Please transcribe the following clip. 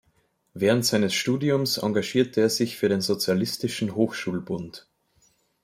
Während seines Studiums engagierte er sich für den Sozialistischen Hochschulbund.